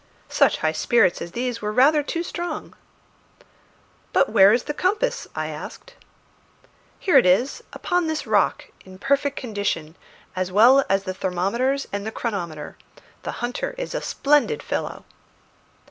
Such high spirits as these were rather too strong. "But where is the compass? I asked. "Here it is, upon this rock, in perfect condition, as well as the thermometers and the chronometer. The hunter is a splendid fellow."